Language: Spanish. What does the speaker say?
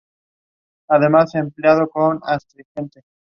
Las hojas son venosas.